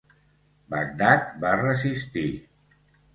Bagdad va resistir.